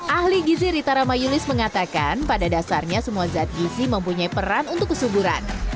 ahli gizi ritaramayulis mengatakan pada dasarnya semua zat gizi mempunyai peran untuk kesuburan